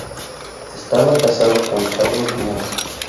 Estaba casado con Charlotte Moss.